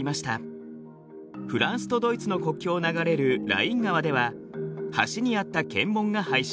フランスとドイツの国境を流れるライン川では橋にあった検問が廃止。